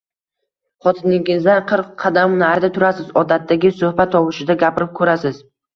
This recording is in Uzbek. Xotiningizdan qirq qadam narida turasiz, odatdagi suhbat tovushida gapirib koʻrasiz